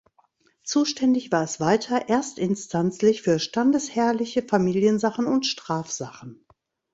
Zuständig war es weiter erstinstanzlich für standesherrliche Familiensachen und Strafsachen.